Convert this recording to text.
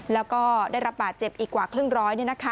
แล้วก็ได้รับบาดเจ็บอีกกว่าครึ่งร้อย